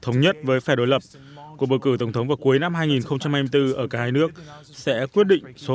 thống nhất với phe đối lập cuộc bầu cử tổng thống vào cuối năm hai nghìn hai mươi bốn ở cả hai nước sẽ quyết định số